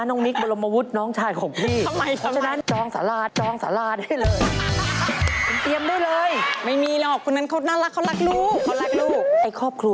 น้องมิตรบลมมวุฒน์น้องชายของพี่